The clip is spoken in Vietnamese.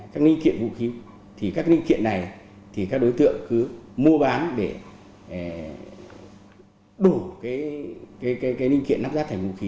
các linh kiện này các đối tượng cứ mua bán để đổ cái linh kiện lắp ráp thành vũ khí